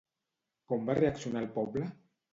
Com va reaccionar el poble?